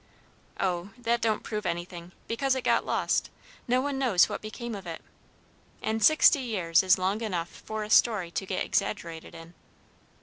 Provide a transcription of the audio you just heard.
"Oh, that don't prove anything, because it got lost. No one knows what became of it. An' sixty years is long enough for a story to get exaggerated in."